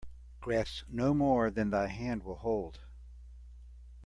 Grasp no more than thy hand will hold.